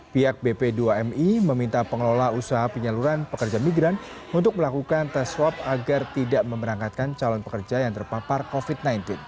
pihak bp dua mi meminta pengelola usaha penyaluran pekerja migran untuk melakukan tes swab agar tidak memberangkatkan calon pekerja yang terpapar covid sembilan belas